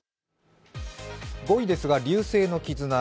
５位ですが、「流星の絆」。